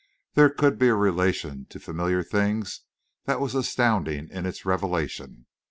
There could be a relation to familiar things that was astounding in its revelation.